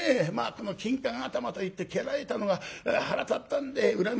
この金柑頭」と言って蹴られたのが腹立ったんで恨み説。